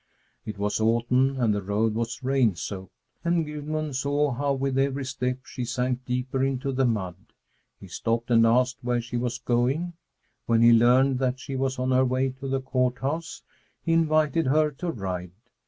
It was autumn and the road was rain soaked, and Gudmund saw how, with every step, she sank deeper into the mud. He stopped and asked where she was going. When he learned that she was on her way to the Court House, he invited her to ride.